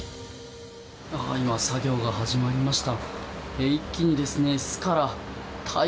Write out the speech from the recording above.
今、作業が始まりました。